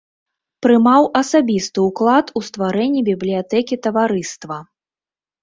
Прымаў асабісты ўклад у стварэнні бібліятэкі таварыства.